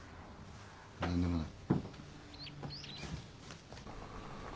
何でもない。